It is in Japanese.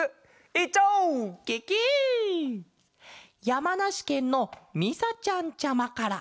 やまなしけんのみさちゃんちゃまから。